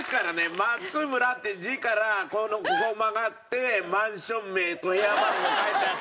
松村って家からここを曲がってマンション名と部屋番号書いてあって。